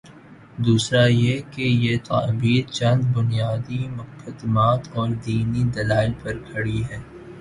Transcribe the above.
دوسرا یہ کہ یہ تعبیر چند بنیادی مقدمات اوردینی دلائل پر کھڑی ہے۔